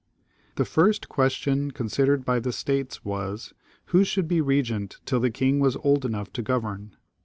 • The first question considered by the States was, who should be regent till the king was old enough to govern.